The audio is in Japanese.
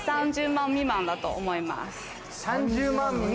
３０万未満だと思います。